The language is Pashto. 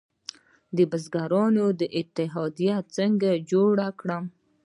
د بزګرانو اتحادیه څنګه جوړه کړم؟